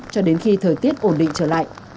cho đến khi thời tiết ổn định trở lại